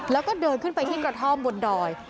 แล้วก็เดินขึ้นไปที่กระท่อมบนดอย